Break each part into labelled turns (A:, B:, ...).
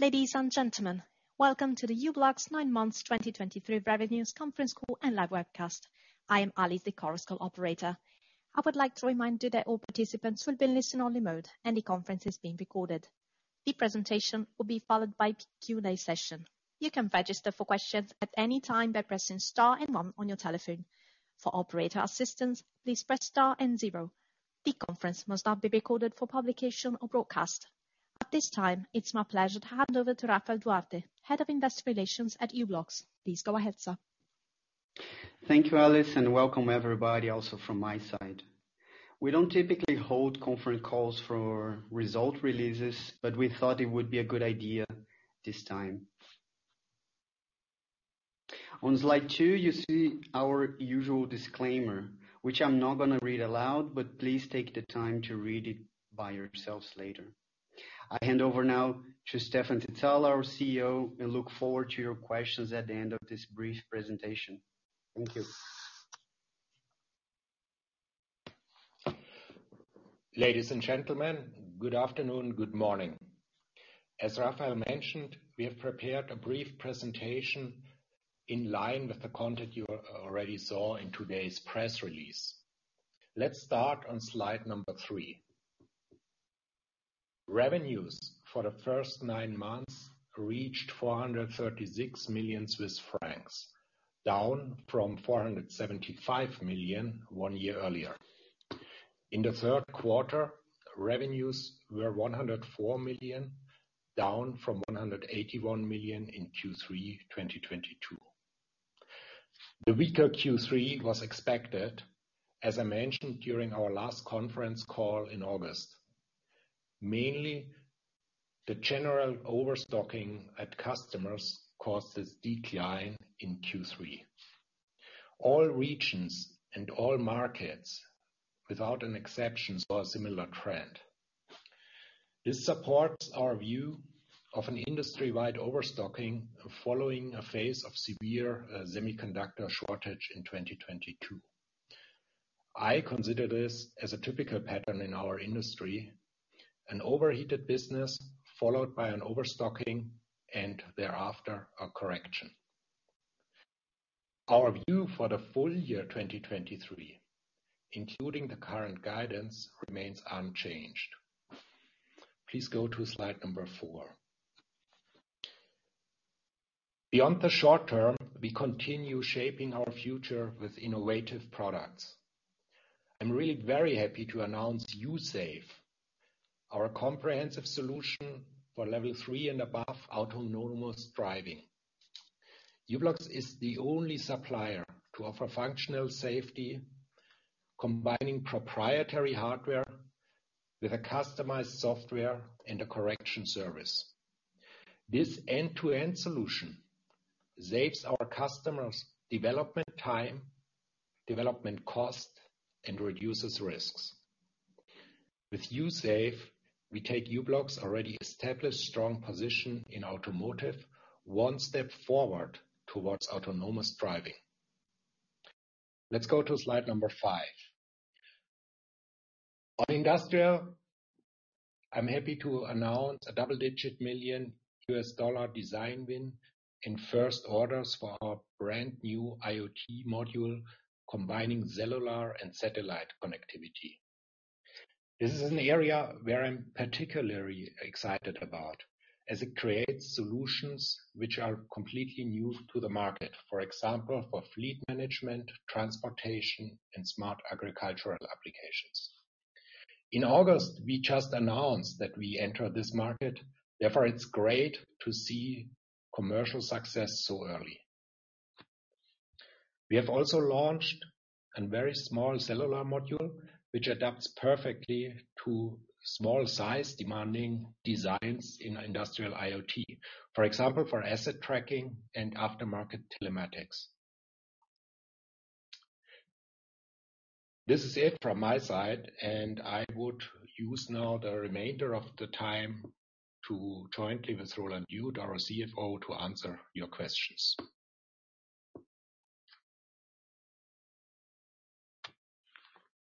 A: Ladies and gentlemen, welcome to the u-blox nine months 2023 revenues conference call and live webcast. I am Alice, the conference call operator. I would like to remind you that all participants will be in listen-only mode, and the conference is being recorded. The presentation will be followed by a Q&A session. You can register for questions at any time by pressing star and one on your telephone. For operator assistance, please press star and zero. The conference must not be recorded for publication or broadcast. At this time, it's my pleasure to hand over to Rafael Duarte, Head of Investor Relations at u-blox. Please go ahead, sir.
B: Thank you, Alice, and welcome, everybody, also from my side. We don't typically hold conference calls for result releases, but we thought it would be a good idea this time. On slide two, you see our usual disclaimer, which I'm not gonna read aloud, but please take the time to read it by yourselves later. I hand over now to Stephan Zizala, our CEO, and look forward to your questions at the end of this brief presentation. Thank you.
C: Ladies and gentlemen, good afternoon, good morning. As Rafael mentioned, we have prepared a brief presentation in line with the content you already saw in today's press release. Let's start on slide three. Revenues for the first 9 months reached 436 million Swiss francs, down from 475 million one year earlier. In the third quarter, revenues were 104 million, down from 181 million in Q3 2022. The weaker Q3 was expected, as I mentioned during our last conference call in August. Mainly, the general overstocking at customers caused this decline in Q3. All regions and all markets, without an exception, saw a similar trend. This supports our view of an industry-wide overstocking following a phase of severe semiconductor shortage in 2022. I consider this as a typical pattern in our industry, an overheated business followed by an overstocking and thereafter, a correction. Our view for the full year 2023, including the current guidance, remains unchanged. Please go to slide four. Beyond the short term, we continue shaping our future with innovative products. I'm really very happy to announce u-safe, our comprehensive solution for Level 3 and above autonomous driving. u-blox is the only supplier to offer functional safety, combining proprietary hardware with a customized software and a correction service. This end-to-end solution saves our customers development time, development cost, and reduces risks. With u-safe, we take u-blox's already established strong position in automotive one step forward towards autonomous driving. Let's go to slide five. On industrial, I'm happy to announce a double-digit million US dollar design win in first orders for our brand new IoT module, combining cellular and satellite connectivity. This is an area where I'm particularly excited about, as it creates solutions which are completely new to the market. For example, for fleet management, transportation, and smart agricultural applications. In August, we just announced that we entered this market, therefore, it's great to see commercial success so early. We have also launched a very small cellular module, which adapts perfectly to small size demanding designs in industrial IoT. For example, for asset tracking and aftermarket telematics. This is it from my side, and I would use now the remainder of the time to jointly with Roland Jud, our CFO, to answer your questions.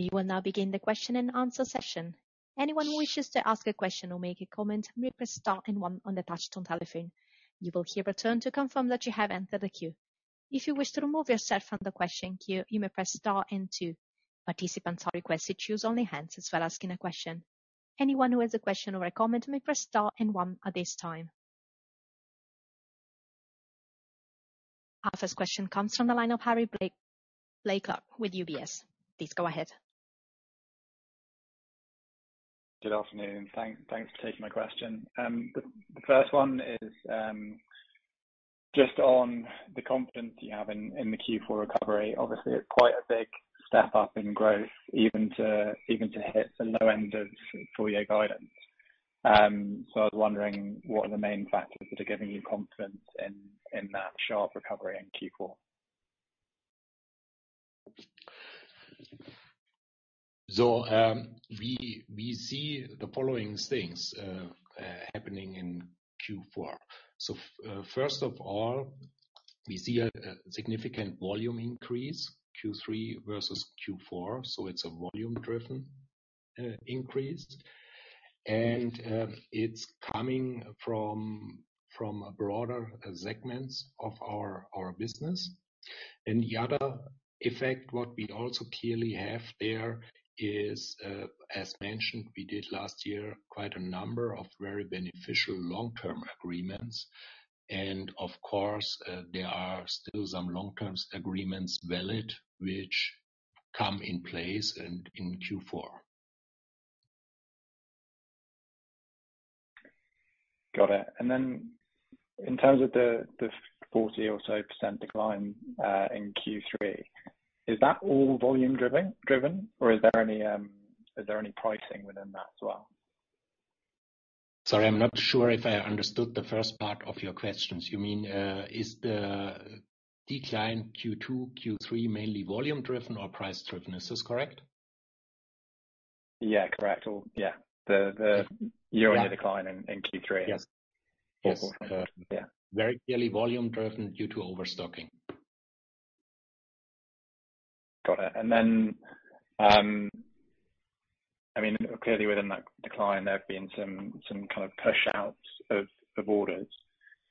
A: We will now begin the question and answer session. Anyone who wishes to ask a question or make a comment may press star and one on the touch tone telephone. You will hear a tone to confirm that you have entered the queue. If you wish to remove yourself from the question queue, you may press star and two. Participants are requested to use only handsets while asking a question. Anyone who has a question or a comment may press star and one at this time. Our first question comes from the line of Harry Blaiklock with UBS. Please go ahead.
D: Good afternoon. Thanks for taking my question. The first one is just on the confidence you have in the Q4 recovery. Obviously, it's quite a big step up in growth even to hit the low end of full year guidance. So I was wondering, what are the main factors that are giving you confidence in that sharp recovery in Q4?
C: So, we see the following things happening in Q4. So, first of all, we see a significant volume increase, Q3 versus Q4, so it's volume driven, increased, and it's coming from broader segments of our business. And the other effect, what we also clearly have there is, as mentioned, we did last year quite a number of very beneficial long-term agreements. And of course, there are still some long-term agreements valid, which come in place in Q4.
D: Got it. And then in terms of the 40% or so decline in Q3, is that all volume-driven, or is there any pricing within that as well?
C: Sorry, I'm not sure if I understood the first part of your questions. You mean, is the decline Q2, Q3, mainly volume-driven or price-driven? Is this correct?
D: Yeah, correct. Or yeah,
C: Yeah.
D: Year-over-year decline in Q3.
C: Yes.
D: Yes.
C: Yes.
D: Yeah.
C: Very clearly volume-driven due to overstocking.
D: Got it. And then, I mean, clearly, within that decline, there have been some kind of push-outs of orders.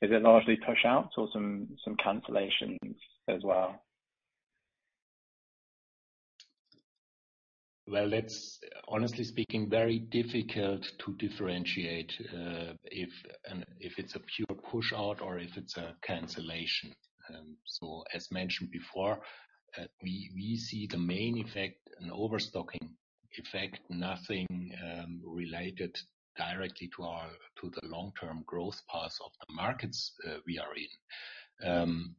D: Is it largely pushouts or some cancellations as well?
C: Well, it's honestly speaking, very difficult to differentiate if it's a pure pushout or if it's a cancellation. So as mentioned before, we see the main effect, an overstocking effect, nothing related directly to the long-term growth paths of the markets we are in.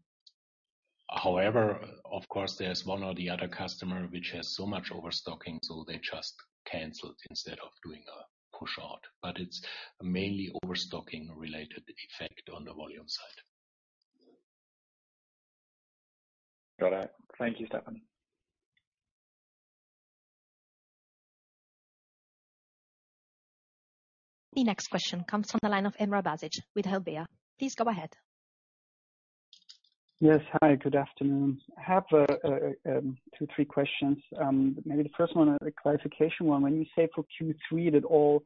C: However, of course, there's one or the other customer, which has so much overstocking, so they just canceled instead of doing a pushout. But it's mainly overstocking related effect on the volume side.
D: Got it. Thank you, Stephan.
A: The next question comes from the line of Emrah Basic with Helvea. Please go ahead.
E: Yes, hi, good afternoon. I have two, three questions. Maybe the first one, a clarification one. When you say for Q3, that all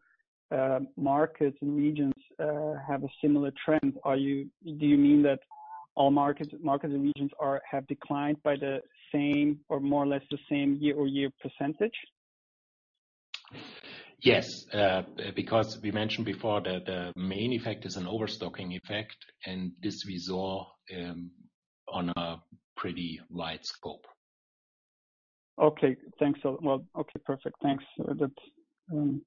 E: markets and regions have a similar trend, do you mean that all markets and regions have declined by the same or more or less the same year-over-year percentage?
C: Yes, because we mentioned before that the main effect is an overstocking effect, and this we saw on a pretty wide scope.
E: Okay, thanks. Well, okay, perfect. Thanks. That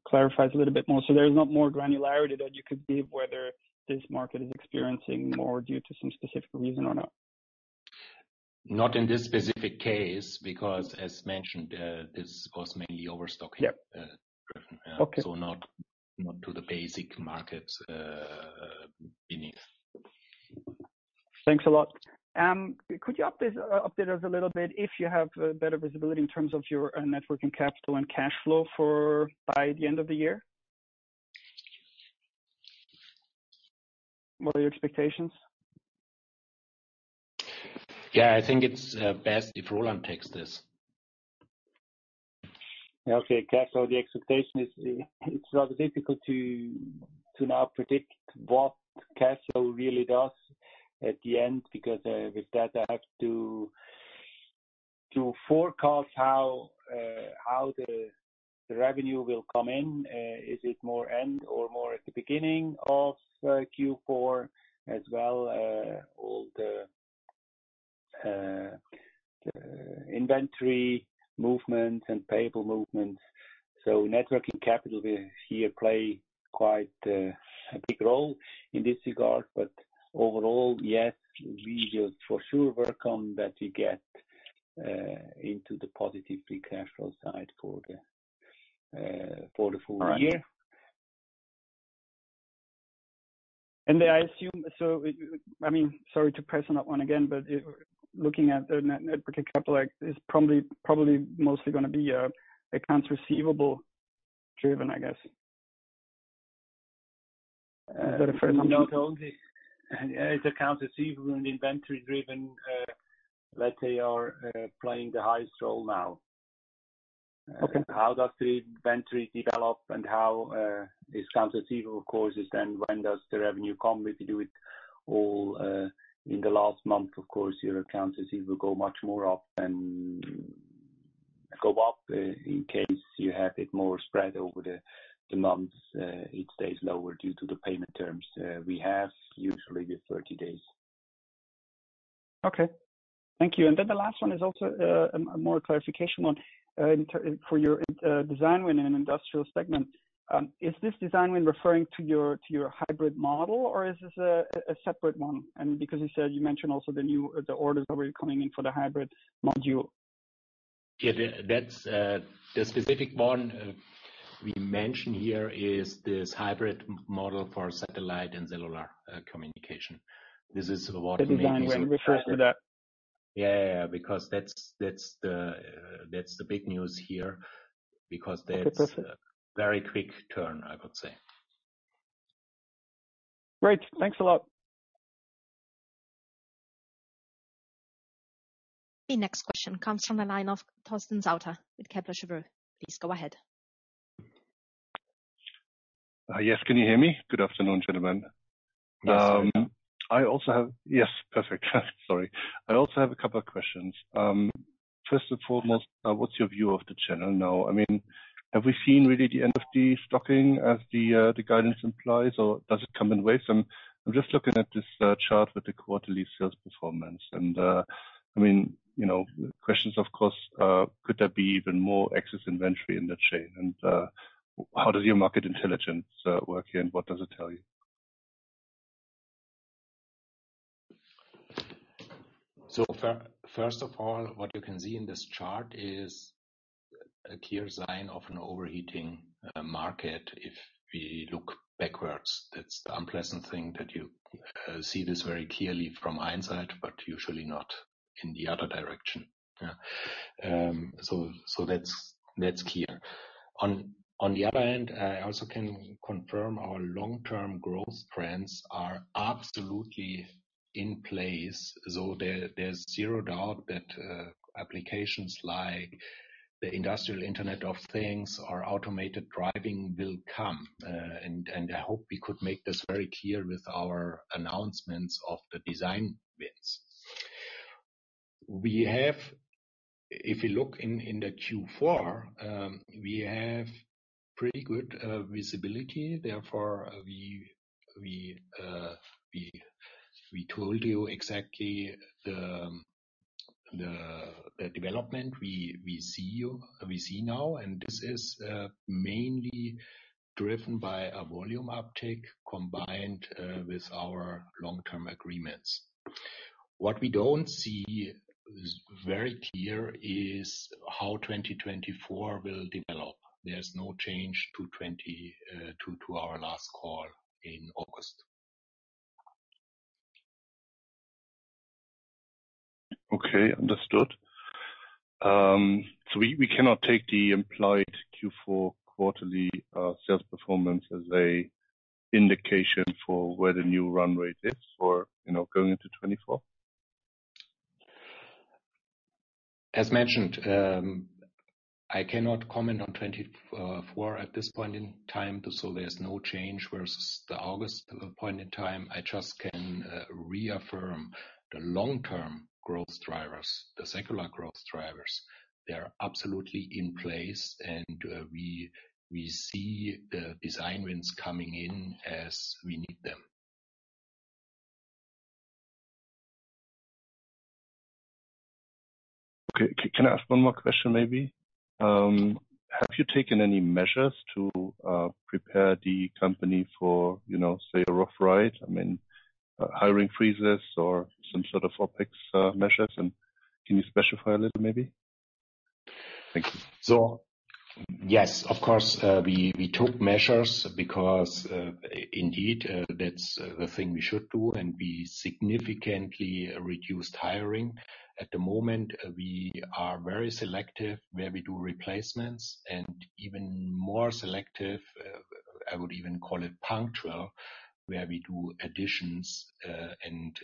E: clarifies a little bit more. So there is not more granularity that you could give, whether this market is experiencing more due to some specific reason or not?
C: Not in this specific case, because as mentioned, this was mainly overstocking-
E: Yep.
C: Uh, driven.
E: Okay.
C: Not to the basic markets beneath.
E: Thanks a lot. Could you update us a little bit if you have better visibility in terms of your net working capital and cash flow for by the end of the year? What are your expectations?
C: Yeah, I think it's best if Roland takes this.
F: Okay, cash flow, the expectation is, it's rather difficult to, to now predict what cash flow really does at the end, because, with that, I have to, to forecast how, how the, the revenue will come in. Is it more end or more at the beginning of, Q4, as well, all the, the inventory movements and payable movements. So working capital will here play quite, a big role in this regard, but overall, yes, we just for sure work on that we get, into the positive free cash flow side for the, for the full year.
E: All right. And I assume so... I mean, sorry to press on that one again, but looking at the net working capital, it's probably, probably mostly gonna be accounts receivable driven, I guess. For the first time.
F: Not only. It's accounts receivable and inventory driven, let's say, playing the highest role now.
E: Okay.
F: How does the inventory develop and how is accounts receivable causes, then when does the revenue come? If you do it all in the last month, of course, your accounts receivable go much more up than go up. In case you have it more spread over the months, it stays lower due to the payment terms. We have usually the 30 days.
E: Okay, thank you. Then the last one is also a more clarification one in terms of your design win in an industrial segment. Is this design win referring to your hybrid model, or is this a separate one? And because you said you mentioned also the new orders already coming in for the hybrid module.
C: Yeah, that, that's the specific one we mentioned here is this hybrid model for satellite and cellular communication. This is what made this-
E: The design win refers to that.
C: Yeah, yeah. Because that's, that's the, that's the big news here, because-
E: Okay, perfect...
C: there's a very quick turn, I would say.
E: Great. Thanks a lot.
A: The next question comes from the line of Torsten Sauter with Kepler Cheuvreux. Please go ahead.
G: Yes. Can you hear me? Good afternoon, gentlemen.
C: Yes.
G: I also have a couple of questions. First and foremost, what's your view of the channel now? I mean, have we seen really the end of the stocking as the guidance implies, or does it come in waves? I'm just looking at this chart with the quarterly sales performance, and I mean, you know, the question is, of course, could there be even more excess inventory in the chain? And how does your market intelligence work here, and what does it tell you?
C: So first of all, what you can see in this chart is a clear sign of an overheating market if we look backwards. That's the unpleasant thing, that you see this very clearly from hindsight, but usually not in the other direction. Yeah. So that's clear. On the other hand, I also can confirm our long-term growth trends are absolutely in place, so there's zero doubt that applications like the industrial Internet of Things or automated driving will come. And I hope we could make this very clear with our announcements of the design wins. We have... If you look in the Q4, we have pretty good visibility. Therefore, we told you exactly the development we see now, and this is mainly driven by a volume uptick combined with our long-term agreements. What we don't see is very clear is how 2024 will develop. There's no change to our last call in August.
G: Okay, understood. So we cannot take the implied Q4 quarterly sales performance as an indication for where the new run rate is for, you know, going into 2024?
C: As mentioned, I cannot comment on 2024 at this point in time, so there's no change versus the August point in time. I just can reaffirm the long-term growth drivers, the secular growth drivers, they're absolutely in place, and we see the design wins coming in as we need them.
G: Okay. Can I ask one more question maybe? Have you taken any measures to prepare the company for, you know, say, a rough ride? I mean, hiring freezes or some sort of OpEx measures, and can you specify a little maybe? Thank you.
C: Yes, of course, we took measures because indeed, that's the thing we should do, and we significantly reduced hiring. At the moment, we are very selective where we do replacements, and even more selective. I would even call it punctual where we do additions. And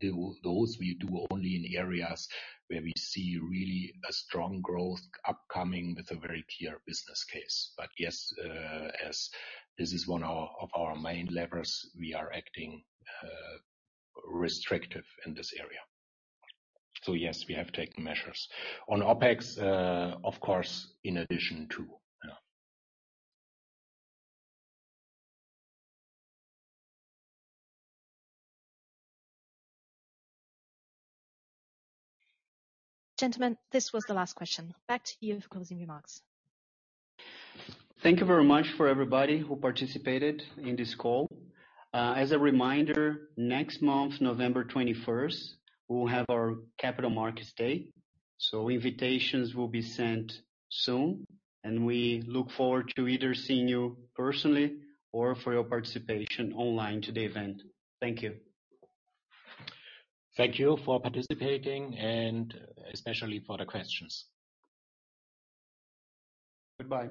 C: those we do only in areas where we see really a strong growth upcoming with a very clear business case. But yes, as this is one of our main levers, we are acting restrictive in this area. So yes, we have taken measures. On OpEx, of course, in addition too. Yeah.
A: Gentlemen, this was the last question. Back to you for closing remarks.
B: Thank you very much for everybody who participated in this call. As a reminder, next month, November 21st, we'll have our Capital Markets Day. Invitations will be sent soon, and we look forward to either seeing you personally or for your participation online to the event. Thank you.
C: Thank you for participating and especially for the questions.
B: Goodbye.